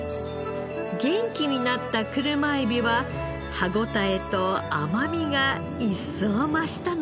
元気になった車エビは歯ごたえと甘みが一層増したのです。